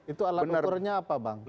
itu alat ukurnya apa bang